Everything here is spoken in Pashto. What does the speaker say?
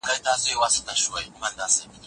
ښوونځي ماشومانو ته د منطق کارولو عادت ورکوي.